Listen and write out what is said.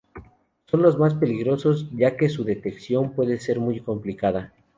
Son los más peligrosos, ya que su detección puede ser muy complicada.